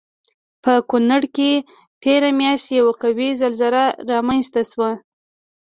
په کنړ کې تېره میاشت یوه قوي زلزله رامنځته شوی وه